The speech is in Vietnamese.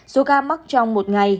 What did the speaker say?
số ca mắc trong một ngày